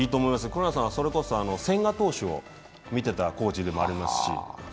倉野さんは、それこそ千賀投手を見ていたコーチでもありますし。